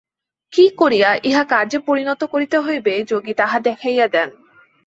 কি করিয়া ইহা কার্যে পরিণত করিতে হইবে, যোগী তাহা দেখাইয়া দেন।